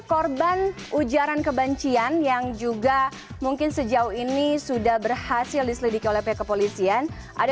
korban ujaran kebencian yang juga mungkin sejauh ini sudah berhasil diselidiki oleh pihak kepolisian